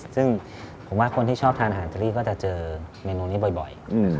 ซึ่งโบวะคนที่ชอบทานอาหารเจลี้ก็จะเจอไมโนเนี่ยบ่อย